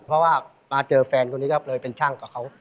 เพราะว่ามาเจอแฟนคนนี้ก็เลยเป็นช่างกับเขา